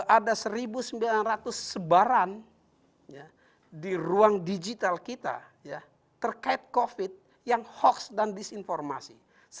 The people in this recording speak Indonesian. ada satu sembilan ratus sebaran di ruang digital kita terkait covid yang hoax dan disinformasi